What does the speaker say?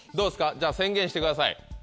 じゃあ宣言してください。